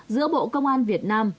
giữa bộ công an việt nam